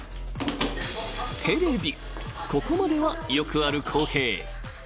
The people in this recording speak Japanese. ［ここまではよくある光景］